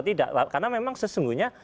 tidak karena memang sesungguhnya